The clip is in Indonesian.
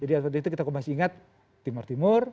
jadi waktu itu kita masih ingat timur timur